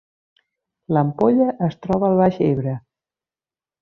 L’Ampolla es troba al Baix Ebre